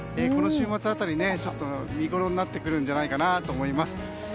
この週末辺り見ごろになってくるんじゃないかなと思います。